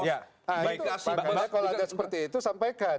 ya itu makanya kalau ada seperti itu sampaikan